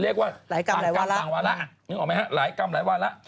เรียกว่าต่างกรรมต่างวาระนึกออกไหมฮะหลายกรรมหลายวาระ